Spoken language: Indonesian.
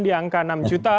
di angka enam juta